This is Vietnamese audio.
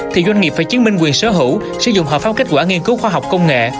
thì doanh nghiệp phải chứng minh quyền sở hữu sử dụng hợp pháp kết quả nghiên cứu khoa học công nghệ